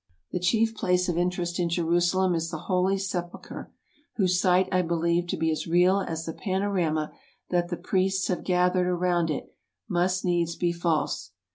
The chief place of interest in Jerusalem is the Holy Sepulchre, whose site I believe to be as real as the pano rama that the priests have gathered around it must needs be 262 TRAVELERS AND EXPLORERS false.